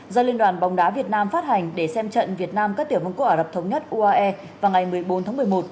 do liên đoàn bóng đá việt nam phát hành để xem trận việt nam các tiểu vương quốc ả rập thống nhất uae vào ngày một mươi bốn tháng một mươi một